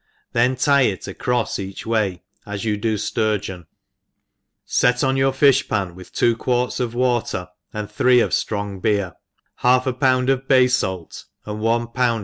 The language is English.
then tie it a crofs each w^y, as you do fturgeon, fet on yovr fifli ipan with two quarts of water, and three of ftron^ beer, half a pound of bay falti and one poiind <3?